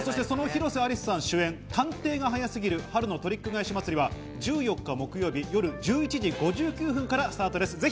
その広瀬アリスさん主演『探偵が早すぎる春のトリック返し祭り』は１４日木曜日、夜１１時５９分からスタートです。